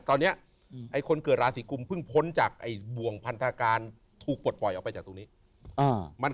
ตอนนี้คนเกิดราศิกรุมก็พึ่งพ้นจากบวงพันธาตุกฝน